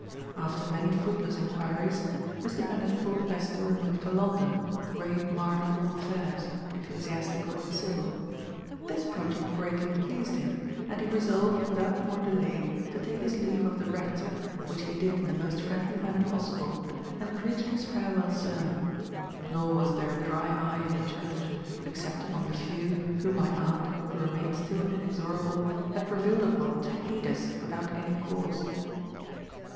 "After many fruitless enquiries, Mr. Bennet thought best to remove to London, the great mart of all affairs, ecclesiastical and civil. This project greatly pleased him, and he resolved, without more delay, to take his leave of the rector, which he did in the most friendly manner possible, and preached his farewell sermon; nor was there a dry eye in the church, except among the few, whom my aunt, who remained still inexorable, had prevailed upon to hate us without any cause.